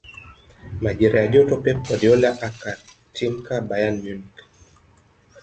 majira ya joto pep guardiola akatimka bayern munich